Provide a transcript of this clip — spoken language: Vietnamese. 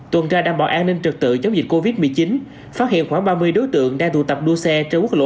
tuần tra đảm bảo an ninh trực tự chống dịch covid một mươi chín phát hiện khoảng ba mươi đối tượng đang tụ tập đua xe trên quốc lộ